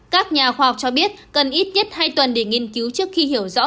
các nhà khoa học cho biết cần ít nhất hai tuần để nghiên cứu trước khi hiểu rõ